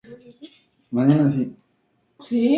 No obstante, le fue concedida la Orden de la Jarretera.